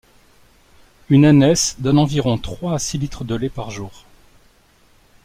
Une ânesse donne environ trois à six litres de lait par jour.